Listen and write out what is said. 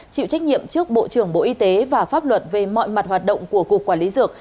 chịu trách nhiệm trước bộ trưởng bộ y tế và pháp luật về mọi mặt hoạt động của cục quản lý dược